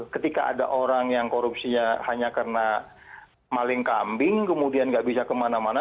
ketika ada orang yang korupsinya hanya karena maling kambing kemudian nggak bisa kemana mana